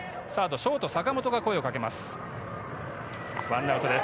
ショート・坂本が声をかけます。